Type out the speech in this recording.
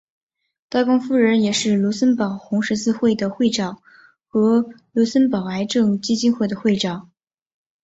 大公夫人也是卢森堡红十字会的会长和卢森堡癌症基金会的会长。